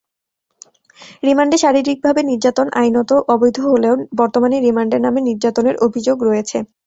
রিমান্ডে শারীরিকভাবে নির্যাতন আইনত অবৈধ হলেও বর্তমানে রিমান্ডের নামে নির্যাতনের অভিযোগ রয়েছে।